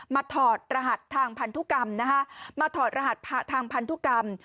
ถอดรหัสทางพันธุกรรมนะคะมาถอดรหัสทางพันธุกรรม